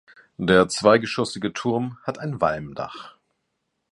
Der zweigeschossige Turm hat ein Walmdach.